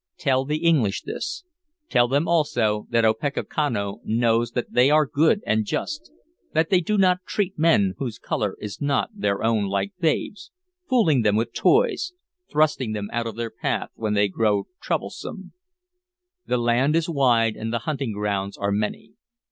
Tell the English this; tell them also that Opechancanough knows that they are good and just, that they do not treat men whose color is not their own like babes, fooling them with toys, thrusting them out of their path when they grow troublesome. The land is wide and the hunting grounds are many.